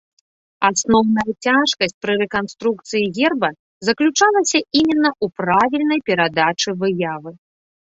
Асноўная цяжкасць пры рэканструкцыі герба заключалася іменна ў правільнай перадачы выявы.